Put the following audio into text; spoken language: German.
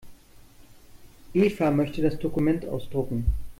Eva möchte das Dokument ausdrucken.